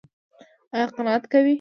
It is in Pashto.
ایا قناعت کوئ؟